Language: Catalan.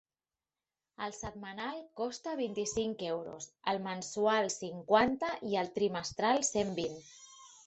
El setmanal costa vint-i-cinc euros, el mensual cinquanta i el trimestral cent vint.